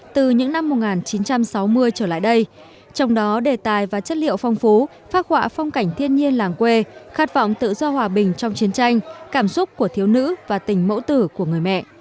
từ những năm một nghìn chín trăm sáu mươi trở lại đây trong đó đề tài và chất liệu phong phú phát họa phong cảnh thiên nhiên làng quê khát vọng tự do hòa bình trong chiến tranh cảm xúc của thiếu nữ và tình mẫu tử của người mẹ